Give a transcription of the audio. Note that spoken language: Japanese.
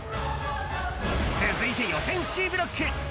続いて予選Ｃブロック。